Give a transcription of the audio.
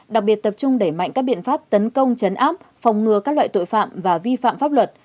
đặc biệt tập trung đẩy mạnh các biện pháp tấn công chấn áp phòng ngừa các loại tội phạm và vi phạm pháp luật